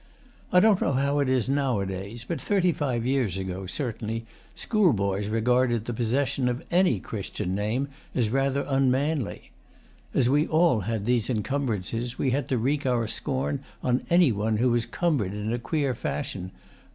I don't know how it is nowadays, but thirty five years ago, certainly, schoolboys regarded the possession of ANY Christian name as rather unmanly. As we all had these encumbrances, we had to wreak our scorn on any one who was cumbered in a queer fashion.